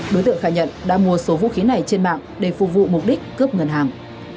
đối tượng khai nhận đã mua số vũ khí này trên mạng để phục vụ mục đích cướp ngân hàng